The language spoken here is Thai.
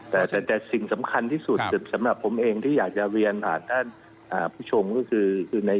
แต่แต่สิ่งสำคัญที่สุดสำหรับผมเองที่อยากจะเรียนผ่านท่านผู้ชมก็คือใน